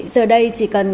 giờ đây chỉ cần